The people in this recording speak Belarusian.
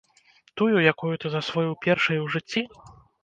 Тую, якую ты засвоіў першай у жыцці?